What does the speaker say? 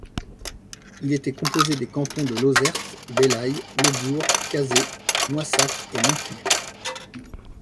Il était composé des cantons de Lauzerte, Belaye, le Bourg, Cazés, Moissac et Montcuq.